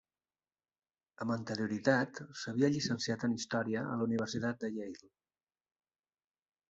Amb anterioritat s'havia llicenciat en Història a la Universitat Yale.